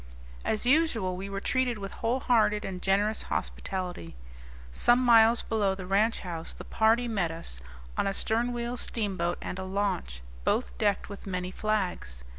As usual, we were treated with whole hearted and generous hospitality. Some miles below the ranch house the party met us, on a stern wheel steamboat and a launch, both decked with many flags.